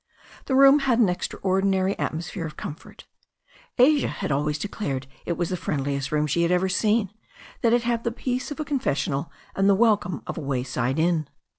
The room had an extraordinary atmosphere of comfort. Asia had always declared it was the friendliest room she had ever seen, that it had the peace of a confessional, and the welcome of a wayside inn.